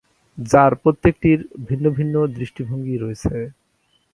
যার প্রত্যেকটির ভিন্ন দৃষ্টিভঙ্গি রয়েছে।